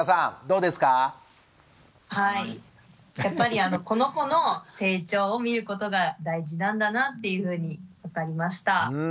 やっぱりこの子の成長を見ることが大事なんだなというふうに分かりました。